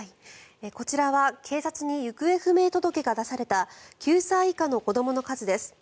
こちらは警察に行方不明届が出された９歳以下の子どもの数です。